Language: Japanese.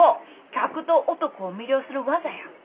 客と男を魅了する技や。